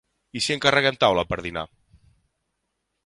I si encarreguem taula per dinar?